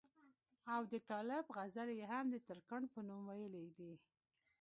او د طالب غزلې ئې هم دترکاڼ پۀ نوم وئيلي دي